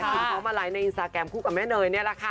คุณเขามาไลฟ์ในอินสตาแกรมคู่กับแม่เนยนี่แหละค่ะ